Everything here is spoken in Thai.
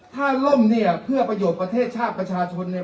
ถ้าร่มเนี่ยเพื่อประโยชน์ประเทศชาติประชาชนเนี่ย